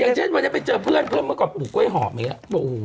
อย่างเช่นว่าจะไปเจอเพื่อนเพื่อนมาก็ปลูกก๊วยหอมอย่างเนี้ยบ้าโห